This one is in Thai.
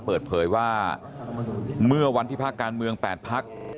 เปิดเผยว่าเมื่อวันที่พักการเมือง๘พัก